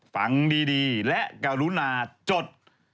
ฟังดีและกรุณาจด